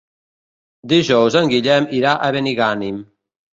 Dijous en Guillem irà a Benigànim.